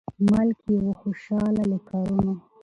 ملکه یې وه خوشاله له کارونو